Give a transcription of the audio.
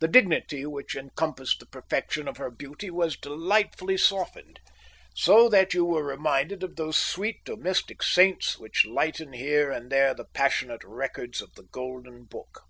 The dignity which encompassed the perfection of her beauty was delightfully softened, so that you were reminded of those sweet domestic saints who lighten here and there the passionate records of the Golden Book.